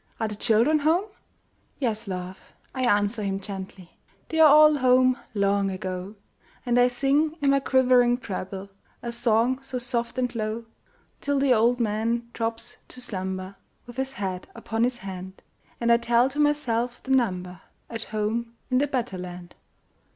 are the children home?" "Yes, love!" I answer him gently, "They're all home long ago;" And I sing, in my quivering treble, A song so soft and low, Till the old man drops to slumber, With his head upon his hand, And I tell to myself the number At home in the better land.